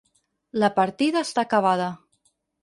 La partida està acabada.